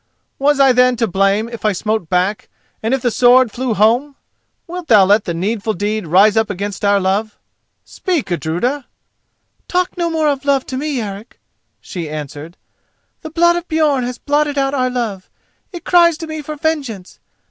Was I, then, to blame if I smote back and if the sword flew home? Wilt thou let the needful deed rise up against our love? Speak, Gudruda!" "Talk no more of love to me, Eric," she answered; "the blood of Björn has blotted out our love: it cries to me for vengeance.